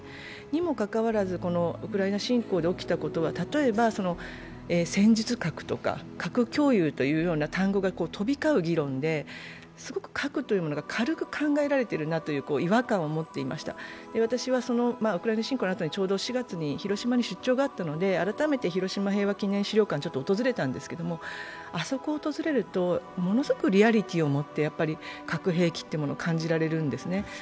にもかかわらず、ウクライナ侵攻で起きたことは、例えば、戦術核とか核共有という単語が飛び交う議論で、すごく核というものが軽く考えられているなという違和感を持っていました、私はウクライナ侵攻のあとにちょうど４月に広島に出張があったので、改めて広島平和記念資料館に訪れたんですけれども、あそこを訪れると、ものすごくリアリティーを持って核兵器というもの感じられるんですね。